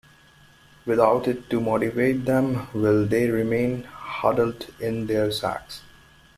Without it to motivate them, will they remain huddled in their sacks?